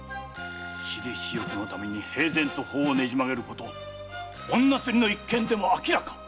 私利私欲のために平然と法をねじ曲げること女スリの一件でも明らか！